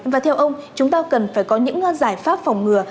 và theo ông chúng ta cần phải có những giải pháp phòng ngừa